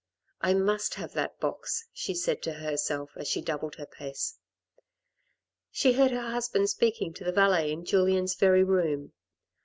" I must have that box," she said to herself, as she doubled her pace. She heard her husband speaking to the valet in Julien's very room.